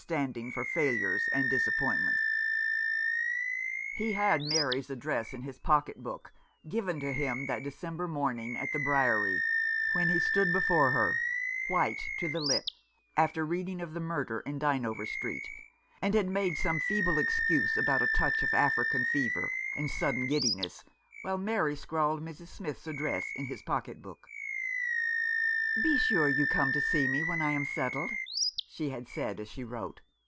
standing for failures and disappointments. He had Mary's address in his pocket book, given to him that December morning at the Briery, when he stood before her, white to the lips, after reading of the murder in Dynevor Street, and had made some feeble excuse about a touch of African fever, and sudden giddiness, while Mary scrawled Mrs. Smith's address in his pocket book. " Be sure you come to see me when I am settled," she had said, as she wrote.